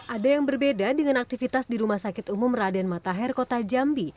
ada yang berbeda dengan aktivitas di rumah sakit umum raden matahir kota jambi